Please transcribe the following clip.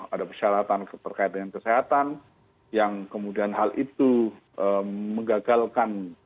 ada persyaratan terkait dengan kesehatan yang kemudian hal itu menggagalkan